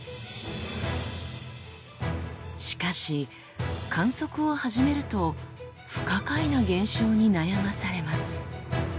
しかし観測を始めると不可解な現象に悩まされます。